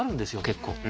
結構。